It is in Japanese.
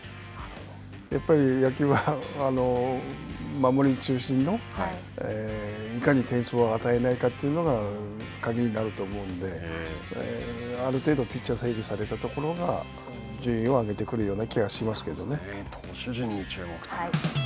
やっぱり野球は守り中心のいかに点数を与えないかというのが鍵になると思うんである程度ピッチャーを整備されたところが順位を上げてくるような気がしますけどね。